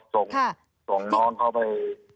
ส่งนเข้าไป